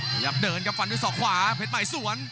ขยับเดินกับฟันด้วยสองขวาเพชรใหม่สวน